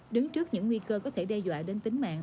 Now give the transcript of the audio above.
đứng trước những nguy cơ có thể đe dọa đến tính mạng